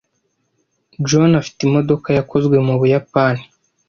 John afite imodoka yakozwe mu Buyapani.